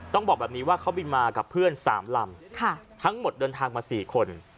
ต้องบอกแบบนี้ว่าเขาบินมากับเพื่อน๓ลำทั้งหมดเดินทางมา๔คน